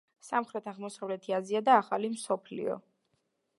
სამხრეთ-აღმოსავლეთი აზია და ახალი მსოფლიო.